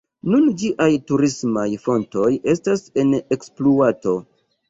Nun ĝiaj turismaj fontoj estas en ekspluato.